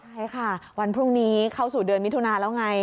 ใช่ค่ะวันพรุ่งนี้เข้าสู่เดือนมิถุนาแล้วไง